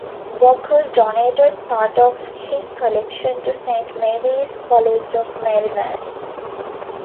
Bocour donated part of his collection to Saint Mary's College of Maryland.